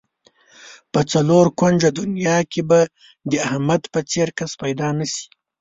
په څلور کونجه دنیا کې به د احمد په څېر کس پیدا نشي.